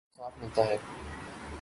یہاں کب انصاف ملتا ہے